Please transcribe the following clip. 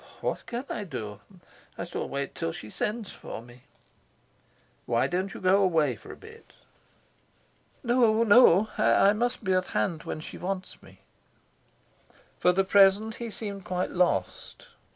"What can I do? I shall wait till she sends for me." "Why don't you go away for a bit?" "No, no; I must be at hand when she wants me." For the present he seemed quite lost.